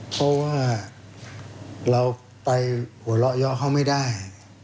เพราะว่าเราไปหัวเราะเยาะเขาไม่ได้